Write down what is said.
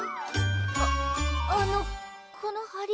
あっあのこのはり紙の。